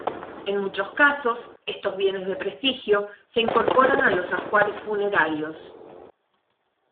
En muchos casos, estos bienes de prestigio se incorporan a los ajuares funerarios.